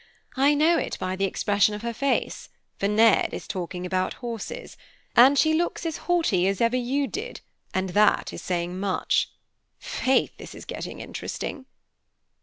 I know it by the expression of her face, for Ned is talking about horses, and she looks as haughty as ever you did, and that is saying much. Faith, this is getting interesting."